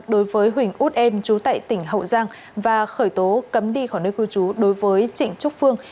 đối với huỳnh út em trú tại tỉnh hậu giang và khởi tố cấm đi khỏi nơi cư trú đối với trịnh trúc phương